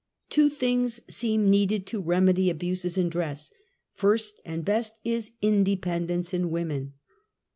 Two things seem needed to remedy abuses in dress. First and best, is independence in women.